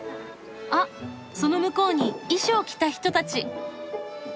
あっその向こうに衣装着た人たち！